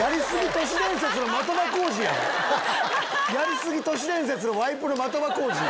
『やりすぎ都市伝説』のワイプの的場浩司や！